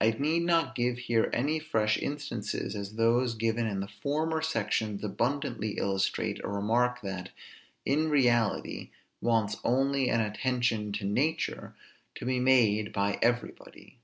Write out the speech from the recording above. I need not give here any fresh instances, as those given in the former sections abundantly illustrate a remark that, in reality, wants only an attention to nature, to be made by everybody.